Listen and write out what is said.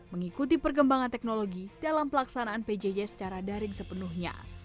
mengikuti perkembangan teknologi dalam pelaksanaan pjj secara daring sepenuhnya